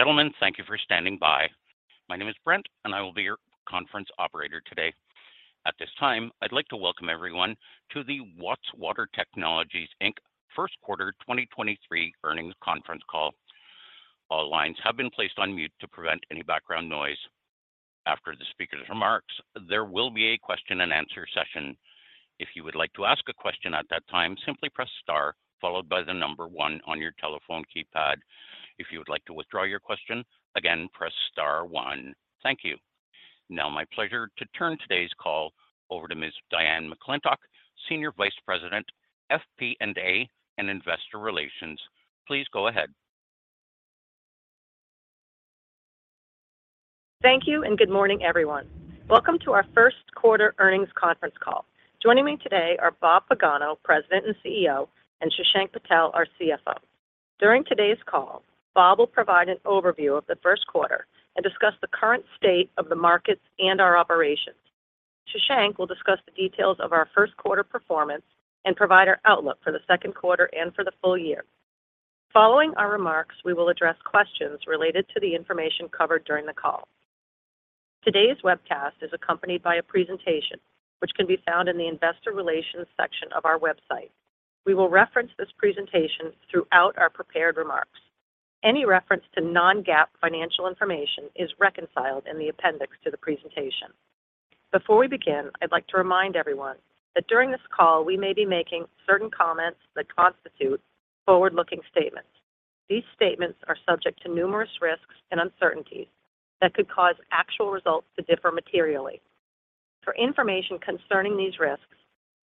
Ladies and gentlemen, thank you for standing by. My name is Brent. I will be your conference operator today. At this time, I'd like to welcome everyone to the Watts Water Technologies Inc. First Quarter 2023 Earnings Conference Call. All lines have been placed on mute to prevent any background noise. After the speaker's remarks, there will be a question-and-answer session. If you would like to ask a question at that time, simply press star followed by one on your telephone keypad. If you would like to withdraw your question, again, press star one. Thank you. My pleasure to turn today's call over to Ms. Diane McClintock, Senior Vice President, FP&A, and Investor Relations. Please go ahead. Thank you. Good morning, everyone. Welcome to our first quarter earnings conference call. Joining me today are Bob Pagano, President and CEO, and Shashank Patel, our CFO. During today's call, Bob will provide an overview of the first quarter and discuss the current state of the markets and our operations. Shashank will discuss the details of our first quarter performance and provide our outlook for the second quarter and for the full year. Following our remarks, we will address questions related to the information covered during the call. Today's webcast is accompanied by a presentation which can be found in the investor relations section of our website. We will reference this presentation throughout our prepared remarks. Any reference to non-GAAP financial information is reconciled in the appendix to the presentation. Before we begin, I'd like to remind everyone that during this call we may be making certain comments that constitute forward-looking statements. These statements are subject to numerous risks and uncertainties that could cause actual results to differ materially. For information concerning these risks,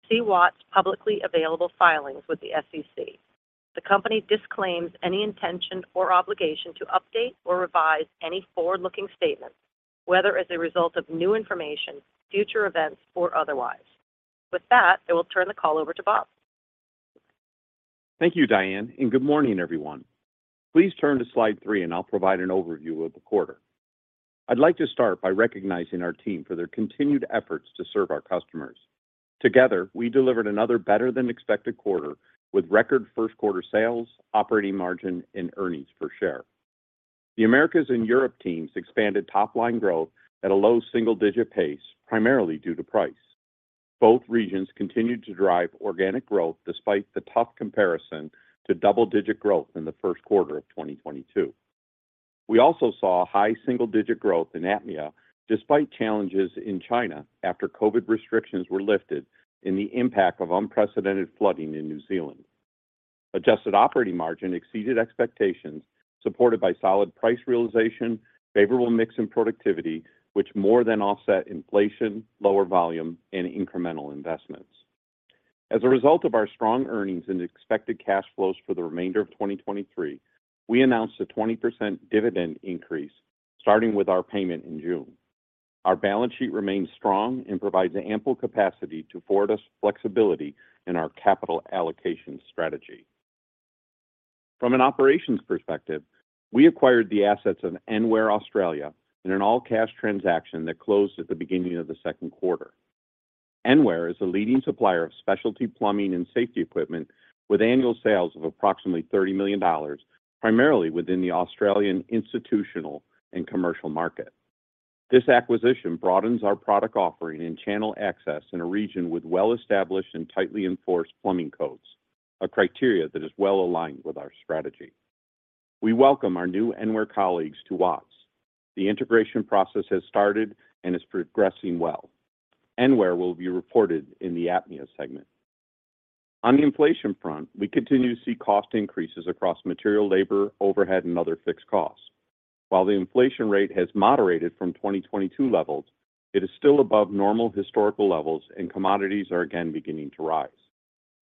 see Watts' publicly available filings with the SEC. The company disclaims any intention or obligation to update or revise any forward-looking statements, whether as a result of new information, future events, or otherwise. With that, I will turn the call over to Bob. Thank you, Diane. Good morning, everyone. Please turn to slide three. I'll provide an overview of the quarter. I'd like to start by recognizing our team for their continued efforts to serve our customers. Together, we delivered another better-than-expected quarter with record first quarter sales, operating margin, and earnings per share. The Americas and Europe teams expanded top line growth at a low single-digit pace, primarily due to price. Both regions continued to drive organic growth despite the tough comparison to double-digit growth in the first quarter of 2022. We also saw high single-digit growth in APMEA despite challenges in China after COVID restrictions were lifted and the impact of unprecedented flooding in New Zealand. Adjusted operating margin exceeded expectations supported by solid price realization, favorable mix and productivity, which more than offset inflation, lower volume, and incremental investments. As a result of our strong earnings and expected cash flows for the remainder of 2023, we announced a 20% dividend increase starting with our payment in June. Our balance sheet remains strong and provides ample capacity to afford us flexibility in our capital allocation strategy. From an operations perspective, we acquired the assets of Enware Australia in an all-cash transaction that closed at the beginning of the second quarter. Enware is a leading supplier of specialty plumbing and safety equipment with annual sales of approximately $30 million, primarily within the Australian institutional and commercial market. This acquisition broadens our product offering and channel access in a region with well-established and tightly enforced plumbing codes, a criteria that is well aligned with our strategy. We welcome our new Enware colleagues to Watts. The integration process has started and is progressing well. Enware will be reported in the APMEA segment. On the inflation front, we continue to see cost increases across material, labor, overhead, and other fixed costs. While the inflation rate has moderated from 2022 levels, it is still above normal historical levels, and commodities are again beginning to rise.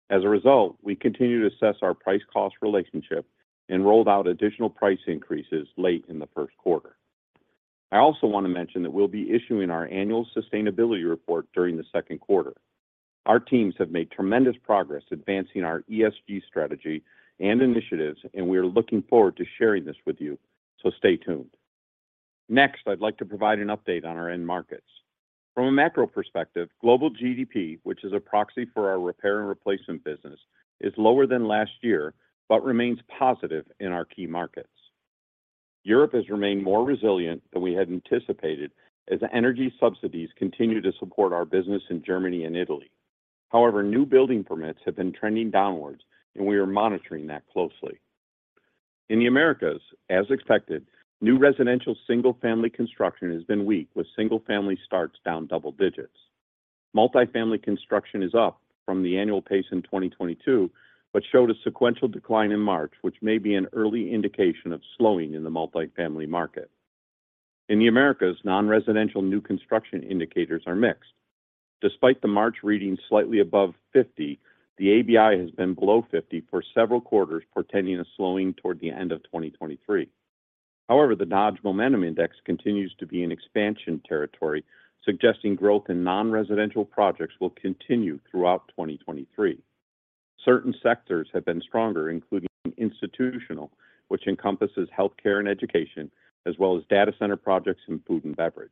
As a result, we continue to assess our price-cost relationship and rolled out additional price increases late in the first quarter. I also want to mention that we'll be issuing our annual sustainability report during the second quarter. Our teams have made tremendous progress advancing our ESG strategy and initiatives, and we are looking forward to sharing this with you. Stay tuned. Next, I'd like to provide an update on our end markets. From a macro perspective, global GDP, which is a proxy for our repair and replacement business, is lower than last year but remains positive in our key markets. Europe has remained more resilient than we had anticipated as energy subsidies continue to support our business in Germany and Italy. However, new building permits have been trending downwards, and we are monitoring that closely. In the Americas, as expected, new residential single-family construction has been weak, with single-family starts down double digits. Multi-family construction is up from the annual pace in 2022 but showed a sequential decline in March, which may be an early indication of slowing in the multi-family market. In the Americas, non-residential new construction indicators are mixed. Despite the March reading slightly above 50, the ABI has been below 50 for several quarters, portending a slowing toward the end of 2023. The Dodge Momentum Index continues to be in expansion territory, suggesting growth in non-residential projects will continue throughout 2023. Certain sectors have been stronger, including institutional, which encompasses healthcare and education, as well as data center projects in food and beverage.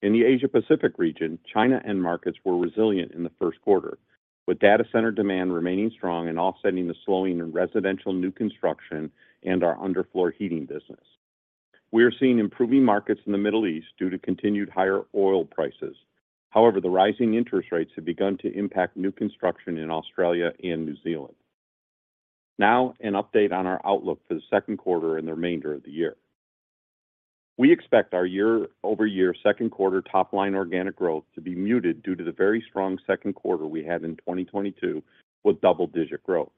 In the Asia-Pacific region, China end markets were resilient in the first quarter, with data center demand remaining strong and offsetting the slowing in residential new construction and our underfloor heating business. We are seeing improving markets in the Middle East due to continued higher oil prices. The rising interest rates have begun to impact new construction in Australia and New Zealand. An update on our outlook for the second quarter and the remainder of the year. We expect our year-over-year second quarter top-line organic growth to be muted due to the very strong second quarter we had in 2022 with double-digit growth.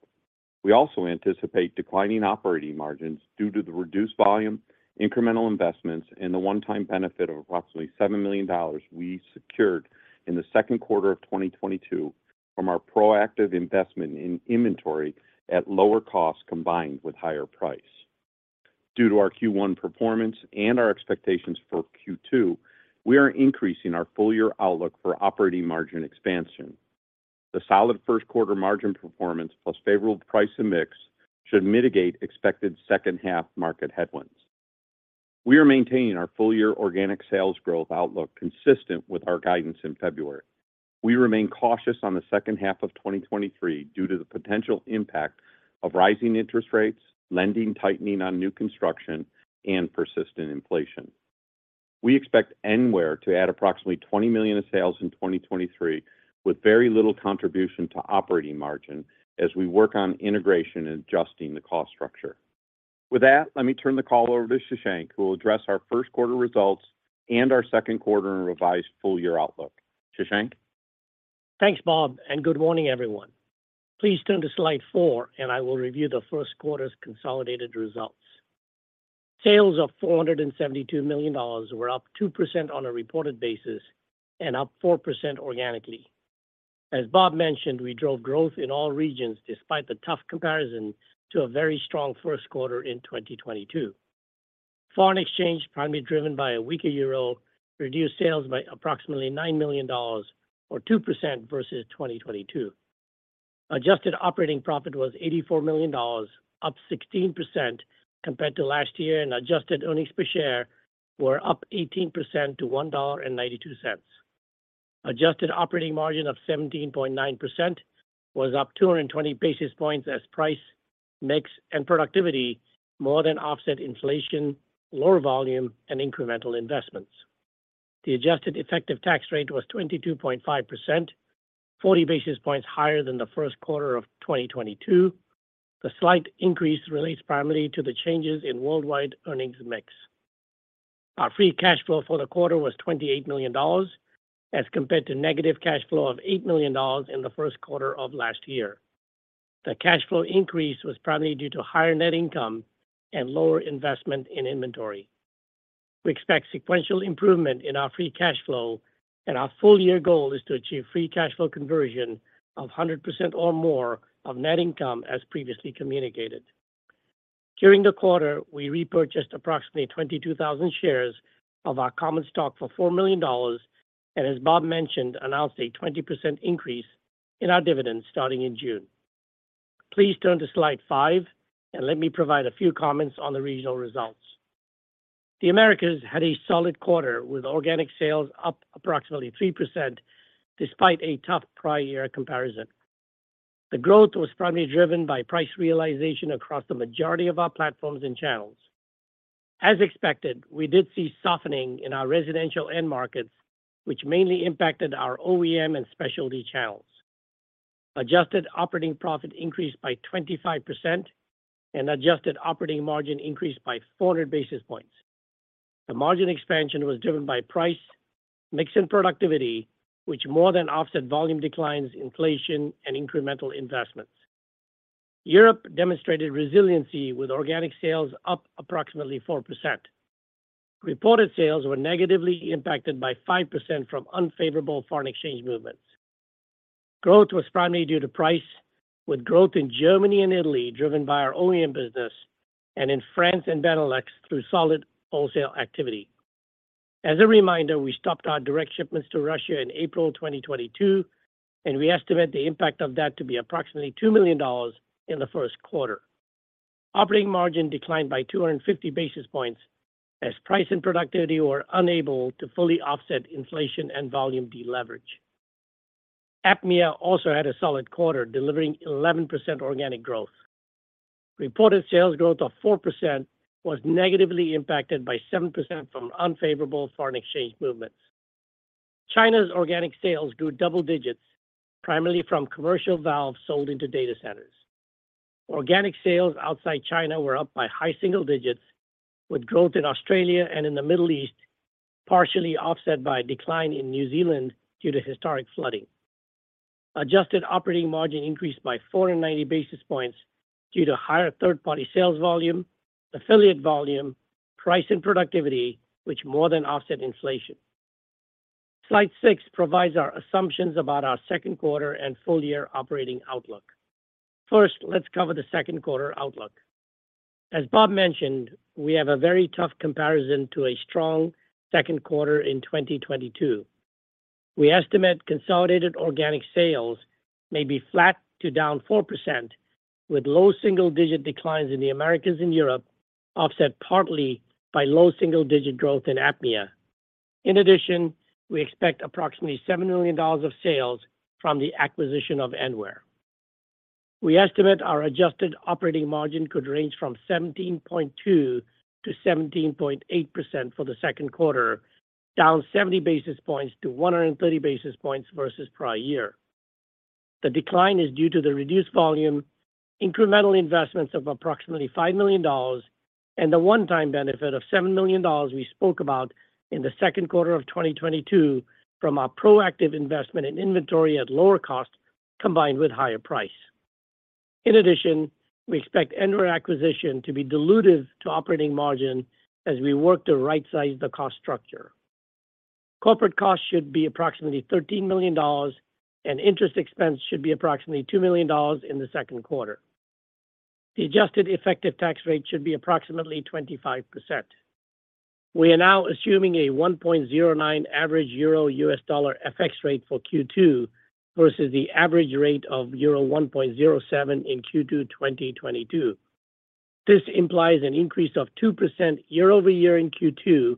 We also anticipate declining operating margins due to the reduced volume, incremental investments, and the one-time benefit of approximately $7 million we secured in the second quarter of 2022 from our proactive investment in inventory at lower cost combined with higher price. Due to our Q1 performance and our expectations for Q2, we are increasing our full-year outlook for operating margin expansion. The solid first quarter margin performance plus favorable price and mix should mitigate expected second half market headwinds. We are maintaining our full-year organic sales growth outlook consistent with our guidance in February. We remain cautious on the second half of 2023 due to the potential impact of rising interest rates, lending tightening on new construction, and persistent inflation. We expect Enware to add approximately $20 million of sales in 2023, with very little contribution to operating margin as we work on integration and adjusting the cost structure. With that, let me turn the call over to Shashank, who will address our first quarter results and our second quarter and revised full-year outlook. Shashank? Thanks, Bob. Good morning, everyone. Please turn to slide four. I will review the first quarter's consolidated results. Sales of $472 million were up 2% on a reported basis and up 4% organically. As Bob mentioned, we drove growth in all regions despite the tough comparison to a very strong first quarter in 2022. Foreign exchange, primarily driven by a weaker euro, reduced sales by approximately $9 million or 2% versus 2022. Adjusted operating profit was $84 million, up 16% compared to last year. Adjusted earnings per share were up 18% to $1.92. Adjusted operating margin of 17.9% was up 220 basis points as price, mix, and productivity more than offset inflation, lower volume, and incremental investments. The adjusted effective tax rate was 22.5%, 40 basis points higher than the first quarter of 2022. The slight increase relates primarily to the changes in worldwide earnings mix. Our free cash flow for the quarter was $28 million as compared to negative cash flow of $8 million in the first quarter of last year. The cash flow increase was primarily due to higher net income and lower investment in inventory. We expect sequential improvement in our free cash flow. Our full-year goal is to achieve free cash flow conversion of 100% or more of net income as previously communicated. During the quarter, we repurchased approximately 22,000 shares of our common stock for $4 million, as Bob mentioned, announced a 20% increase in our dividend starting in June. Please turn to slide five, and let me provide a few comments on the regional results. The Americas had a solid quarter with organic sales up approximately 3% despite a tough prior year comparison. The growth was primarily driven by price realization across the majority of our platforms and channels. As expected, we did see softening in our residential end markets, which mainly impacted our OEM and specialty channels. Adjusted operating profit increased by 25%, and adjusted operating margin increased by 400 basis points. The margin expansion was driven by price, mix, and productivity, which more than offset volume declines, inflation, and incremental investments. Europe demonstrated resiliency with organic sales up approximately 4%. Reported sales were negatively impacted by 5% from unfavorable foreign exchange movements. Growth was primarily due to price, with growth in Germany and Italy driven by our OEM business and in France and Benelux through solid wholesale activity. As a reminder, we stopped our direct shipments to Russia in April 2022, and we estimate the impact of that to be approximately $2 million in the first quarter. Operating margin declined by 250 basis points as price and productivity were unable to fully offset inflation and volume deleverage. APMEA also had a solid quarter, delivering 11% organic growth. Reported sales growth of 4% was negatively impacted by 7% from unfavorable foreign exchange movements. China's organic sales grew double digits, primarily from commercial valves sold into data centers. Organic sales outside China were up by high single digits, with growth in Australia and in the Middle East partially offset by a decline in New Zealand due to historic flooding. Adjusted operating margin increased by 490 basis points due to higher third-party sales volume, affiliate volume, price, and productivity, which more than offset inflation. Slide six provides our assumptions about our second quarter and full-year operating outlook. Let's cover the second quarter outlook. As Bob mentioned, we have a very tough comparison to a strong second quarter in 2022. We estimate consolidated organic sales may be flat to down 4%, with low single-digit declines in the Americas and Europe, offset partly by low single-digit growth in APMEA. We expect approximately $7 million of sales from the acquisition of Enware. We estimate our adjusted operating margin could range from 17.2%-17.8% for the second quarter, down 70 basis points-130 basis points versus prior year. The decline is due to the reduced volume, incremental investments of approximately $5 million, and the one-time benefit of $7 million we spoke about in the second quarter of 2022 from our proactive investment in inventory at lower cost combined with higher price. We expect Enware acquisition to be dilutive to operating margin as we work to right-size the cost structure. Corporate costs should be approximately $13 million, and interest expense should be approximately $2 million in the second quarter. The adjusted effective tax rate should be approximately 25%. We are now assuming a 1.09 average EUR-USD FX rate for Q2 versus the average rate of euro 1.07 in Q2 2022. This implies an increase of 2% year-over-year in Q2,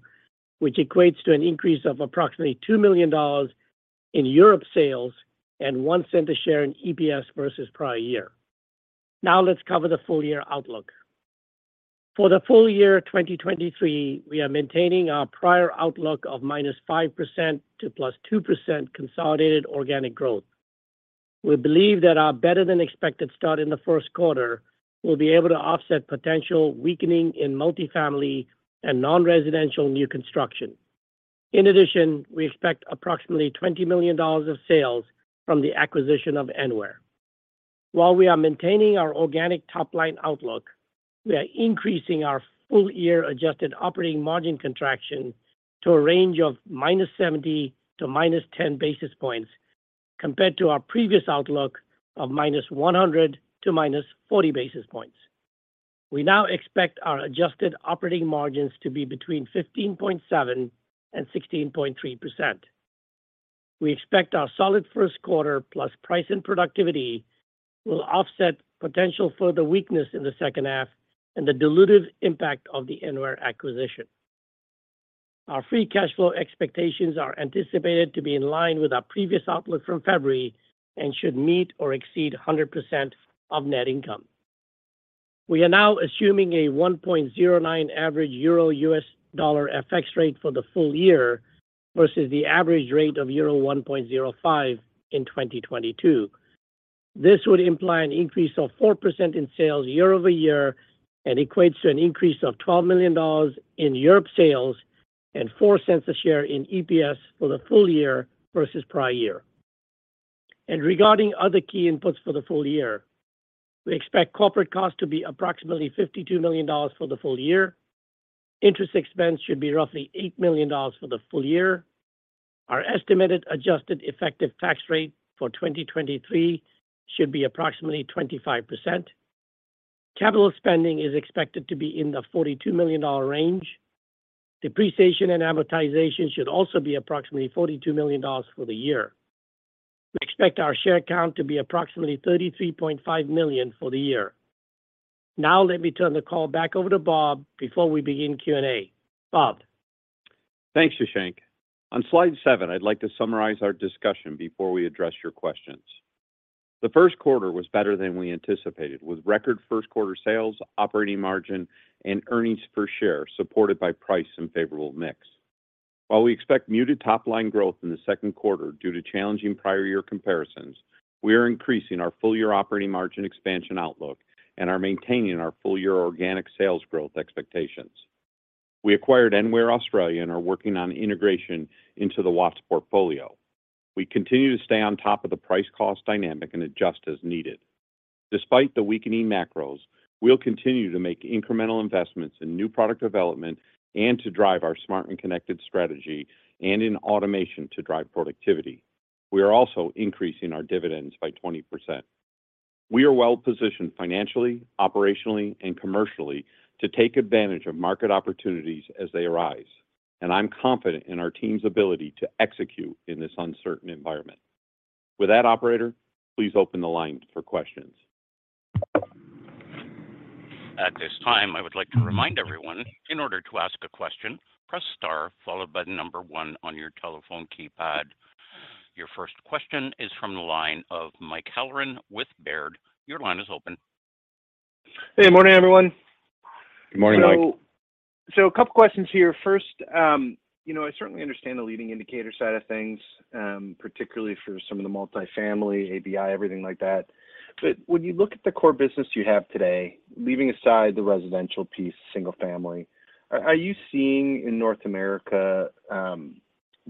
which equates to an increase of approximately $2 million in Europe sales and $0.01 a share in EPS versus prior year. Let's cover the full-year outlook. For the full year 2023, we are maintaining our prior outlook of -5% to +2% consolidated organic growth. We believe that our better-than-expected start in the first quarter will be able to offset potential weakening in multifamily and non-residential new construction. We expect approximately $20 million of sales from the acquisition of Enware. While we are maintaining our organic top-line outlook, we are increasing our full-year adjusted operating margin contraction to a range of -70 to -10 basis points compared to our previous outlook of -100 to -40 basis points. We now expect our adjusted operating margins to be between 15.7% and 16.3%. We expect our solid first quarter plus price and productivity will offset potential further weakness in the second half and the dilutive impact of the Enware acquisition. Our free cash flow expectations are anticipated to be in line with our previous outlook from February and should meet or exceed 100% of net income. We are now assuming a 1.09 average euro-US dollar FX rate for the full year versus the average rate of euro 1.05 in 2022. This would imply an increase of 4% in sales year-over-year and equates to an increase of $12 million in Europe sales and $0.04 a share in EPS for the full year versus prior year. Regarding other key inputs for the full year, we expect corporate costs to be approximately $52 million for the full year. Interest expense should be roughly $8 million for the full year. Our estimated adjusted effective tax rate for 2023 should be approximately 25%. Capital spending is expected to be in the $42 million range. Depreciation and amortization should also be approximately $42 million for the year. We expect our share count to be approximately 33.5 million for the year. Now let me turn the call back over to Bob before we begin Q&A. Bob. Thanks, Shashank. On slide seven, I'd like to summarize our discussion before we address your questions. The first quarter was better than we anticipated, with record first quarter sales, operating margin, and earnings per share supported by price and favorable mix. While we expect muted top-line growth in the second quarter due to challenging prior year comparisons, we are increasing our full-year operating margin expansion outlook and are maintaining our full-year organic sales growth expectations. We acquired Enware Australia and are working on integration into the Watts portfolio. We continue to stay on top of the price-cost dynamic and adjust as needed. Despite the weakening macros, we'll continue to make incremental investments in new product development and to drive our smart and connected strategy and in automation to drive productivity. We are also increasing our dividends by 20%. We are well-positioned financially, operationally, and commercially to take advantage of market opportunities as they arise. I'm confident in our team's ability to execute in this uncertain environment. With that, operator, please open the line for questions. At this time, I would like to remind everyone, in order to ask a question, press star followed by one on your telephone keypad. Your first question is from the line of Mike Halloran with Baird. Your line is open. Hey, morning, everyone. Good morning, Mike. A couple questions here. First, you know, I certainly understand the leading indicator side of things, particularly for some of the multifamily, ABI, everything like that. But when you look at the core business you have today, leaving aside the residential piece, single family, are you seeing in North America,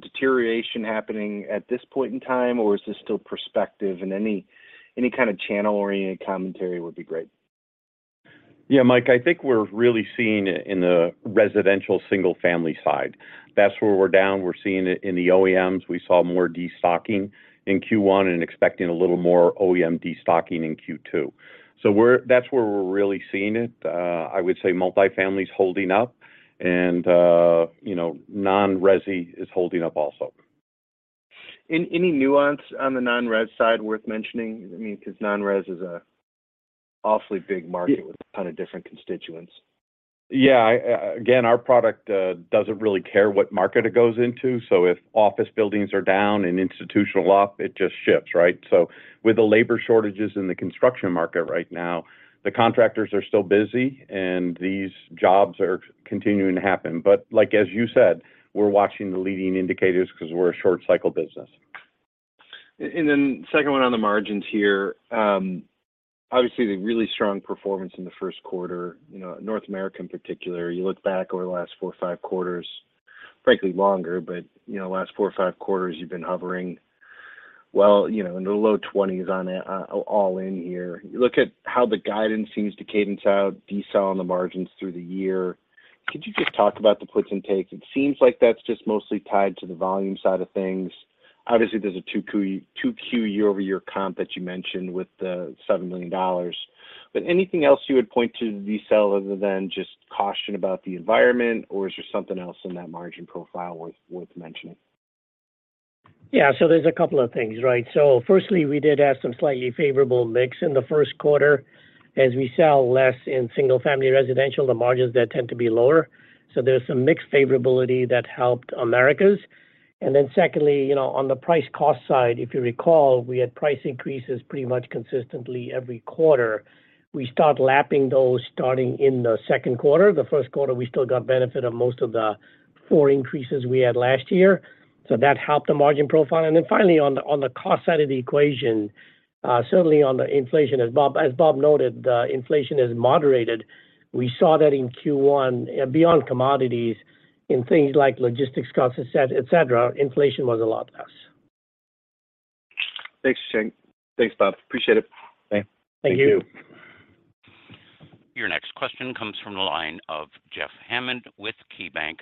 deterioration happening at this point in time, or is this still perspective? Any kind of channel-oriented commentary would be great. Yeah, Mike, I think we're really seeing it in the residential single family side. That's where we're down. We're seeing it in the OEMs. We saw more destocking in Q1 and expecting a little more OEM destocking in Q2. That's where we're really seeing it. I would say multifamily is holding up and, you know, non-resi is holding up also. In any nuance on the non-res side worth mentioning? I mean, because non-res is a awfully big market with a ton of different constituents. Yeah, again, our product doesn't really care what market it goes into. If office buildings are down and institutional up, it just shifts, right? With the labor shortages in the construction market right now, the contractors are still busy, and these jobs are continuing to happen. Like, as you said, we're watching the leading indicators because we're a short cycle business. Second one on the margins here. Obviously, the really strong performance in the first quarter, you know, North American particular, you look back over the last four or five quarters, frankly, longer, but, you know, last four or five quarters you've been hovering, well, you know, in the low 20s on all in here. You look at how the guidance seems to cadence out, decel on the margins through the year. Could you just talk about the puts and takes? It seems like that's just mostly tied to the volume side of things. Obviously, there's a 2Q year-over-year comp that you mentioned with the $7 million. Anything else you would point to decel other than just caution about the environment, or is there something else in that margin profile worth mentioning? Yeah. There's a couple of things, right? Firstly, we did have some slightly favorable mix in the first quarter. As we sell less in single-family residential, the margins there tend to be lower. There's some mixed favorability that helped Americas. Secondly, you know, on the price cost side, if you recall, we had price increases pretty much consistently every quarter. We start lapping those starting in the second quarter. The first quarter, we still got benefit of most of the four increases we had last year. That helped the margin profile. Finally, on the cost side of the equation, certainly on the inflation, as Bob noted, the inflation is moderated. We saw that in Q1 beyond commodities, in things like logistics costs, et cetera, inflation was a lot less. Thanks, Shank. Thanks, Bob. Appreciate it. Thank you. Thank you. Your next question comes from the line of Jeff Hammond with KeyBanc.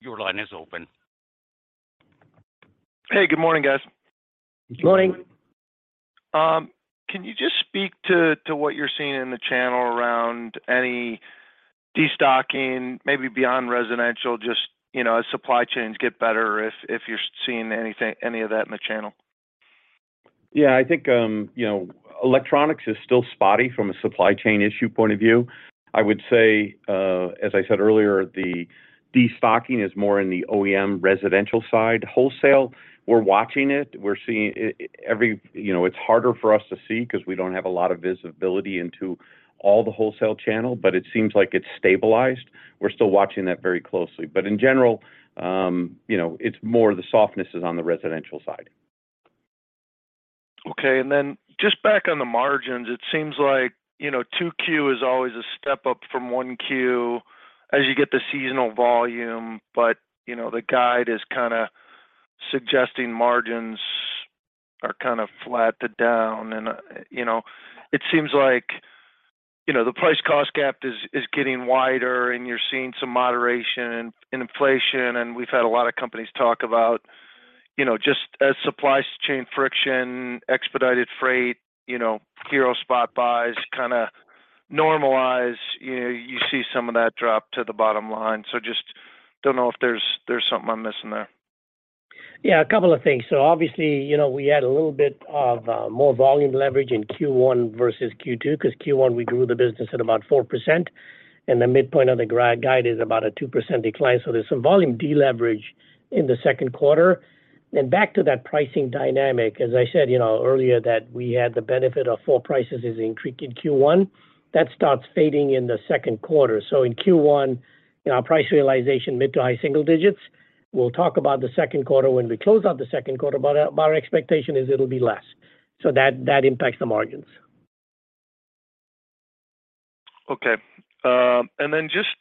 Your line is open. Hey, good morning, guys. Good morning. Can you just speak to what you're seeing in the channel around any destocking, maybe beyond residential, just, you know, as supply chains get better, if you're seeing anything any of that in the channel? Yeah, I think, you know, electronics is still spotty from a supply chain issue point of view. I would say, as I said earlier, the destocking is more in the OEM residential side. Wholesale, we're watching it. We're seeing every. You know, it's harder for us to see 'cause we don't have a lot of visibility into all the wholesale channel, but it seems like it's stabilized. We're still watching that very closely. In general, you know, it's more the softness is on the residential side. Okay. Just back on the margins, it seems like, you know, 2Q is always a step up from 1Q as you get the seasonal volume. You know, the guide is kind of suggesting margins are kind of flat to down. You know, it seems like, you know, the price cost gap is getting wider and you're seeing some moderation in inflation. We've had a lot of companies talk about, you know, just as supply chain friction, expedited freight, you know, hero spot buys kind of normalize, you know, you see some of that drop to the bottom line. Just don't know if there's something I'm missing there. A couple of things. Obviously, you know, we had a little bit of more volume leverage in Q1 versus Q2, because Q1 we grew the business at about 4%, and the midpoint of the guide is about a 2% decline. There's some volume deleverage in the second quarter. Back to that pricing dynamic, as I said, you know, earlier that we had the benefit of four prices is increased in Q1. That starts fading in the second quarter. In Q1, you know, our price realization mid-to-high single digits. We'll talk about the second quarter when we close out the second quarter, but our expectation is it'll be less. That impacts the margins. Okay. Just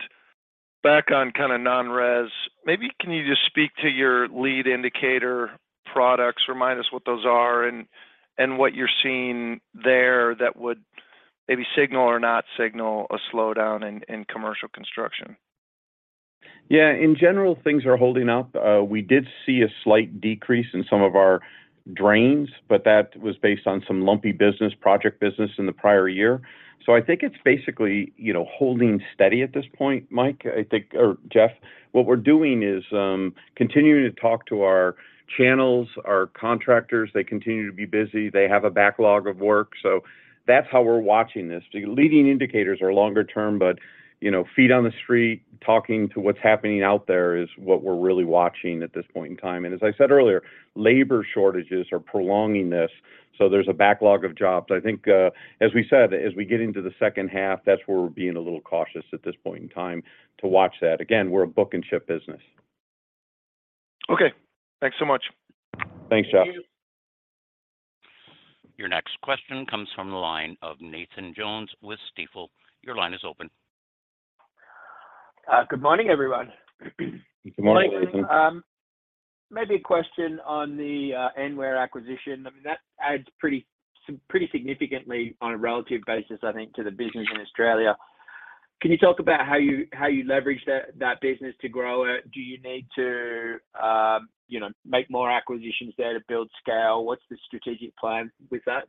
back on kinda non-res, maybe can you just speak to your lead indicator products, remind us what those are and what you're seeing there that would maybe signal or not signal a slowdown in commercial construction? In general, things are holding up. We did see a slight decrease in some of our drains, but that was based on some lumpy business, project business in the prior year. I think it's basically, you know, holding steady at this point, Mike, or Jeff. What we're doing is, continuing to talk to our channels, our contractors. They continue to be busy. They have a backlog of work. That's how we're watching this. The leading indicators are longer term, but, you know, feet on the street, talking to what's happening out there is what we're really watching at this point in time. As I said earlier, labor shortages are prolonging this. There's a backlog of jobs. I think, as we said, as we get into the second half, that's where we're being a little cautious at this point in time to watch that. Again, we're a book and ship business. Okay. Thanks so much. Thanks, Jeff. Thank you. Your next question comes from the line of Nathan Jones with Stifel. Your line is open. Good morning, everyone. Good morning, Nathan. Maybe a question on the Enware acquisition. I mean, that adds pretty significantly on a relative basis, I think, to the business in Australia. Can you talk about how you, how you leverage that business to grow it? Do you need to, you know, make more acquisitions there to build scale? What's the strategic plan with that?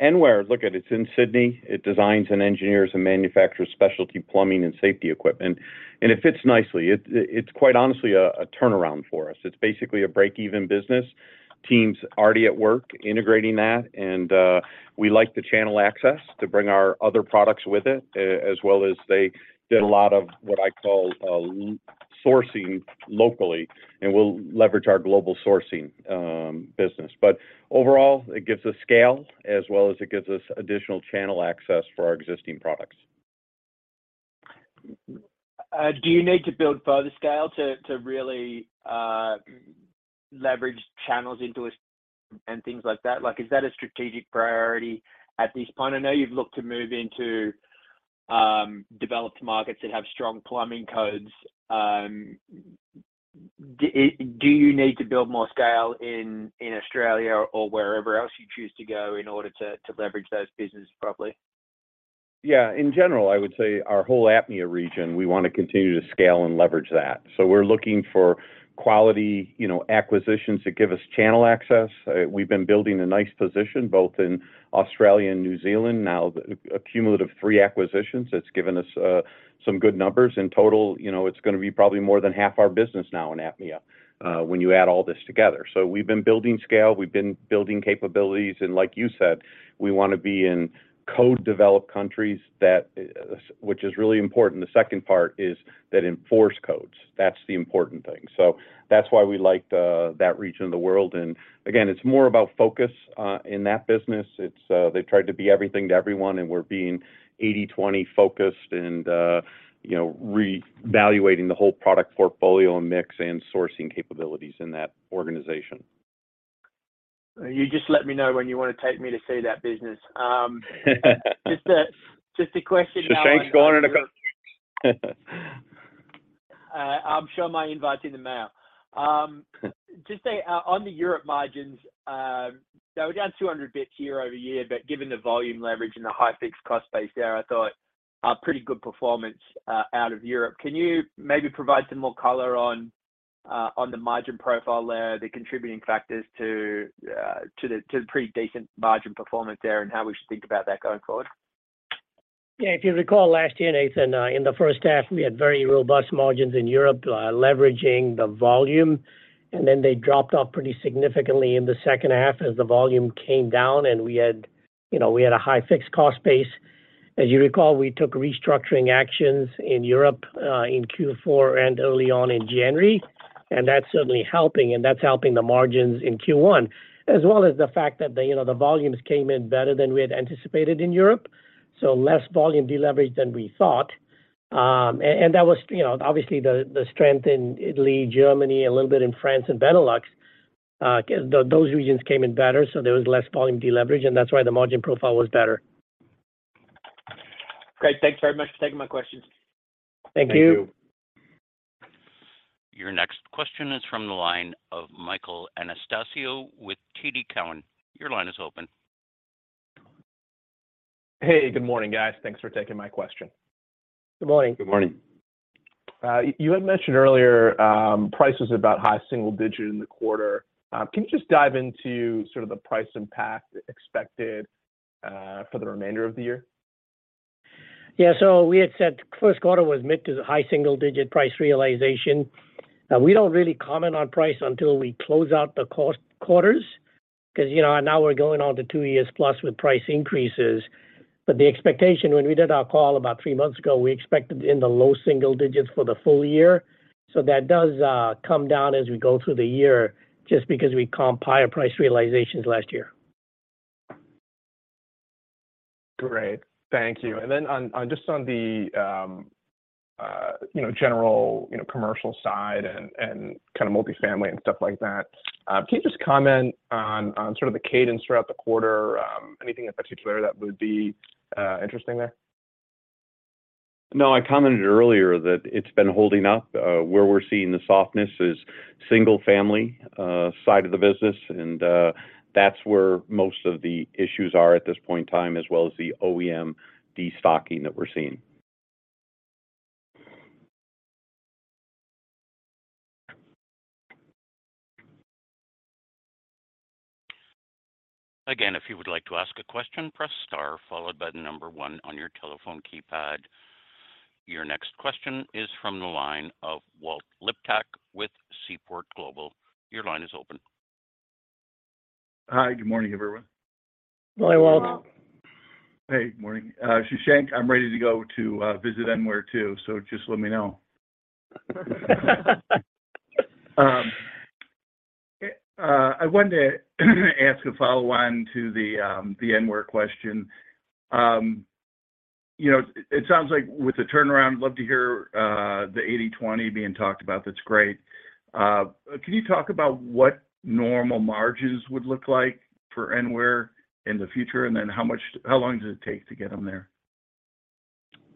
Enware, look, it's in Sydney. It designs and engineers and manufactures specialty plumbing and safety equipment, and it fits nicely. It's quite honestly a turnaround for us. It's basically a break-even business. Team's already at work integrating that, and we like the channel access to bring our other products with it, as well as they did a lot of what I call sourcing locally, and we'll leverage our global sourcing business. Overall, it gives us scale as well as it gives us additional channel access for our existing products. Do you need to build further scale to really leverage channels into this and things like that? Is that a strategic priority at this point? I know you've looked to move into developed markets that have strong plumbing codes. Do you need to build more scale in Australia or wherever else you choose to go in order to leverage those businesses properly? Yeah. In general, I would say our whole APMEA region, we wanna continue to scale and leverage that. We're looking for quality, you know, acquisitions that give us channel access. We've been building a nice position both in Australia and New Zealand now. A cumulative three acquisitions that's given us some good numbers. In total, you know, it's gonna be probably more than half our business now in APMEA when you add all this together. We've been building scale, we've been building capabilities, and like you said, we wanna be in code-developed countries that which is really important. The second part is that enforce codes. That's the important thing. That's why we liked that region of the world. Again, it's more about focus in that business. It's, they've tried to be everything to everyone, and we're being 80/20 focused and, you know, re-evaluating the whole product portfolio and mix and sourcing capabilities in that organization. You just let me know when you wanna take me to see that business. Just a question. Shashank's going in a couple. I'm sure my invite's in the mail. Just on the Europe margins, they were down 200 basis points year-over-year, given the volume leverage and the high fixed cost base there, I thought a pretty good performance out of Europe. Can you maybe provide some more color on the margin profile there, the contributing factors to the pretty decent margin performance there and how we should think about that going forward? Yeah. If you recall last year, Nathan, in the first half, we had very robust margins in Europe, leveraging the volume, and then they dropped off pretty significantly in the second half as the volume came down and we had, you know, we had a high fixed cost base. As you recall, we took restructuring actions in Europe, in Q4 and early on in January, and that's certainly helping, and that's helping the margins in Q1. As well as the fact that the, you know, the volumes came in better than we had anticipated in Europe, so less volume deleverage than we thought. That was, you know, obviously the strength in Italy, Germany, a little bit in France and Benelux. Those regions came in better, so there was less volume deleverage, and that's why the margin profile was better. Great. Thanks very much for taking my questions. Thank you. Thank you. Your next question is from the line of Michael Anastasio with TD Cowen. Your line is open. Hey, good morning, guys. Thanks for taking my question. Good morning. Good morning. You had mentioned earlier, prices about high single digit in the quarter. Can you just dive into sort of the price impact expected, for the remainder of the year? We had said first quarter was mid-to-high single-digit price realization. We don't really comment on price until we close out the cost quarters 'cause, you know, now we're going on to two years plus with price increases. The expectation when we did our call about three months ago, we expected in the low single-digits for the full year. That does come down as we go through the year just because we comp higher price realizations last year. Great. Thank you. On just on the, you know, general, you know, commercial side and kind of multifamily and stuff like that, can you just comment on sort of the cadence throughout the quarter? Anything in particular that would be interesting there? No, I commented earlier that it's been holding up. Where we're seeing the softness is single family side of the business, and that's where most of the issues are at this point in time, as well as the OEM destocking that we're seeing. Again, if you would like to ask a question, press star followed by the number 1 on your telephone keypad. Your next question is from the line of Walter Liptak with Seaport Global. Your line is open. Hi, good morning, everyone. Good morning, Walt. Hey, Walt. Hey, morning. Shashank, I'm ready to go to visit Enware too, so just let me know. I wanted to ask a follow-on to the Enware question. You know, it sounds like with the turnaround, love to hear the 80/20 being talked about. That's great. Can you talk about what normal margins would look like for Enware in the future? How long does it take to get them there?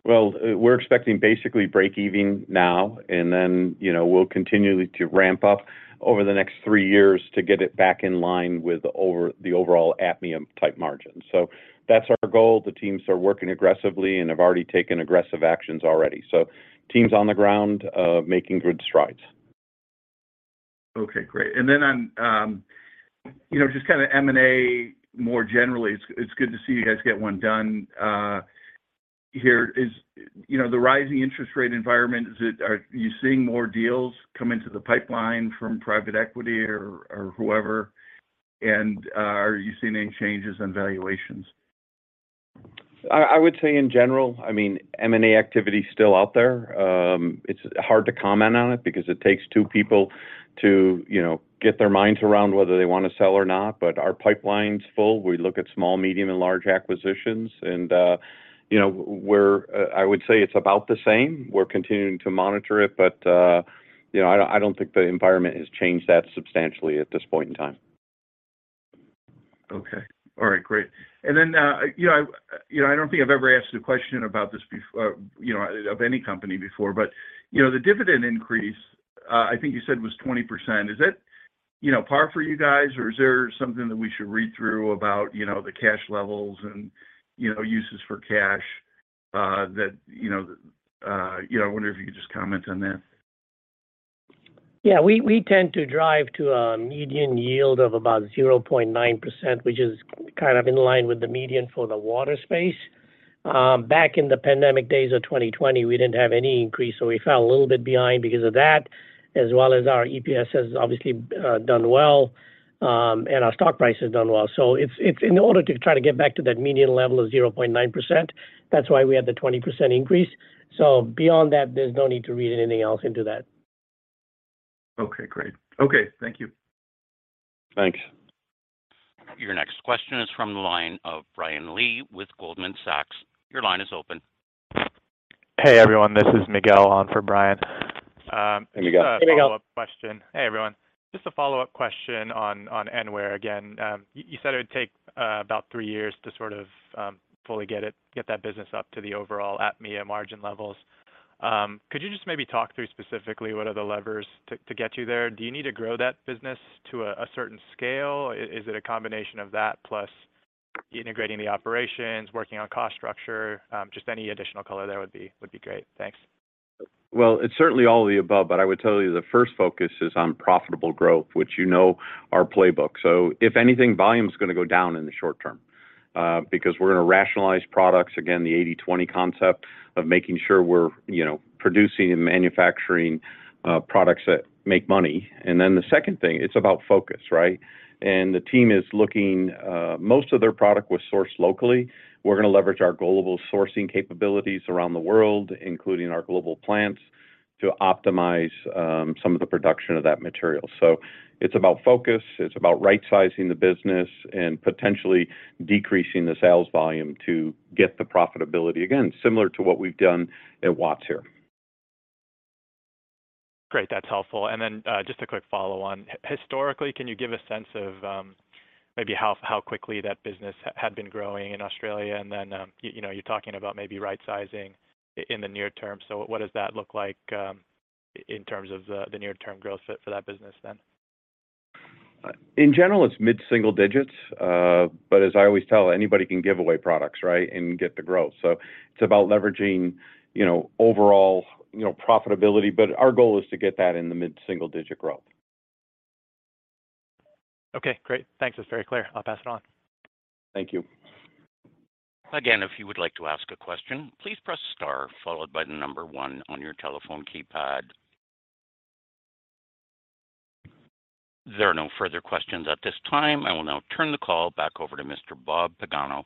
Well, we're expecting basically break even now and then, you know, we'll continue to ramp up over the next three years to get it back in line with the overall APMEA-type margin. That's our goal. The teams are working aggressively and have already taken aggressive actions already. Teams on the ground, making good strides. Okay, great. Then on, you know, just kind of M&A more generally, it's good to see you guys get one done here. You know, the rising interest rate environment, are you seeing more deals come into the pipeline from private equity or whoever? Are you seeing any changes in valuations? I would say in general, I mean, M&A activity is still out there. It's hard to comment on it because it takes two people to, you know, get their minds around whether they wanna sell or not. Our pipeline's full. We look at small, medium, and large acquisitions and, you know, I would say it's about the same. We're continuing to monitor it, you know, I don't think the environment has changed that substantially at this point in time. Okay. All right, great. You know, you know, I don't think I've ever asked a question about this, you know, of any company before, but, you know, the dividend increase, I think you said was 20%. Is that, you know, par for you guys, or is there something that we should read through about, you know, the cash levels and, you know, uses for cash, that, you know, you know, I wonder if you could just comment on that. Yeah. We tend to drive to a median yield of about 0.9%, which is kind of in line with the median for the water space. Back in the pandemic days of 2020, we didn't have any increase, so we fell a little bit behind because of that, as well as our EPS has obviously done well, and our stock price has done well. It's in order to try to get back to that median level of 0.9%, that's why we had the 20% increase. Beyond that, there's no need to read anything else into that. Okay, great. Okay, thank you. Thanks. Your next question is from the line of Brian Lee with Goldman Sachs. Your line is open. Hey, everyone. This is Miguel on for Brian. Hey, Miguel. Hey, Miguel. Just a follow-up question. Hey, everyone. Just a follow-up question on Enware again. You said it would take about three years to sort of fully get that business up to the overall EMEA margin levels. Could you just maybe talk through specifically what are the levers to get you there? Do you need to grow that business to a certain scale? Is it a combination of that plus integrating the operations, working on cost structure? Just any additional color there would be great. Thanks. It's certainly all of the above, but I would tell you the first focus is on profitable growth, which you know our playbook. If anything, volume's gonna go down in the short term, because we're gonna rationalize products, again, the 80/20 concept of making sure we're, you know, producing and manufacturing products that make money. The second thing, it's about focus, right? The team is looking. Most of their product was sourced locally. We're gonna leverage our global sourcing capabilities around the world, including our global plants, to optimize some of the production of that material. It's about focus, it's about right-sizing the business and potentially decreasing the sales volume to get the profitability, again, similar to what we've done at Watts here. Great, that's helpful. Just a quick follow on. Historically, can you give a sense of maybe how quickly that business had been growing in Australia? You know, you're talking about maybe right-sizing in the near term. What does that look like in terms of the near term growth for that business then? In general, it's mid-single digits. As I always tell, anybody can give away products, right? Get the growth. It's about leveraging, you know, overall, you know, profitability. Our goal is to get that in the mid-single digit growth. Okay, great. Thanks. That's very clear. I'll pass it on. Thank you. Again, if you would like to ask a question, please press star followed by the number one on your telephone keypad. There are no further questions at this time. I will now turn the call back over to Mr. Bob Pagano.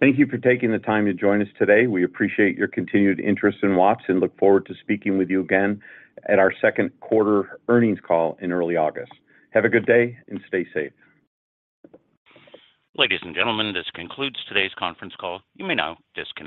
Thank you for taking the time to join us today. We appreciate your continued interest in Watts and look forward to speaking with you again at our second quarter earnings call in early August. Have a good day and stay safe. Ladies and gentlemen, this concludes today's conference call. You may now disconnect.